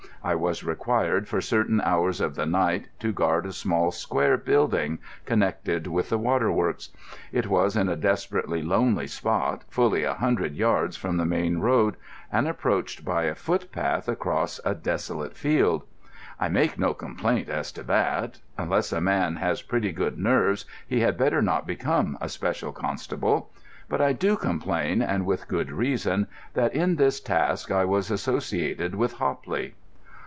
I was required for certain hours of the night to guard a small square building connected with the waterworks. It was in a desperately lonely spot, fully a hundred yards from the main road and approached by a footpath across a desolate field. I make no complaint as to that. Unless a man has pretty good nerves he had better not become a special constable. But I do complain, and with good reason, that in this task I was associated with Hopley.